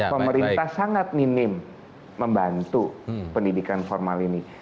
pemerintah sangat minim membantu pendidikan formal ini